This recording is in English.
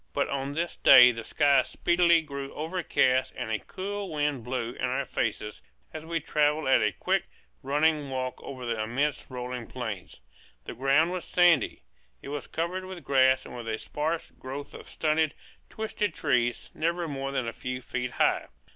But on this day the sky speedily grew overcast and a cool wind blew in our faces as we travelled at a quick, running walk over the immense rolling plain. The ground was sandy; it was covered with grass and with a sparse growth of stunted, twisted trees, never more than a few feet high.